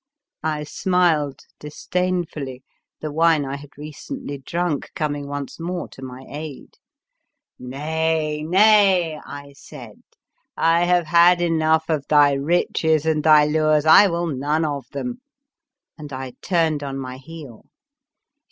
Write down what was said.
I smiled disdainfully, the wine I had recently drunk coming once more to my aid. " Nay, nay," I said. " I have had enough of thy riches and thy lures, I 81 The Fearsome Island will none of them!" and I turned on my heel.